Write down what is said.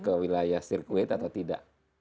ke wilayah sirkuit atau tidak